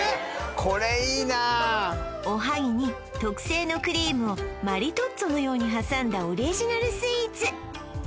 おはぎに特製のクリームをマリトッツォのように挟んだオリジナルスイーツ